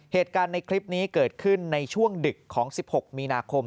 เหตุการณ์ในคลิปนี้เกิดขึ้นในช่วงดึกของ๑๖มีนาคม